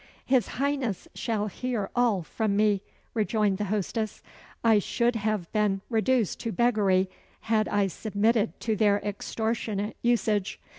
"His Highness shall hear all from me," rejoined the hostess. "I should have been reduced to beggary had I submitted to their extortionate usage.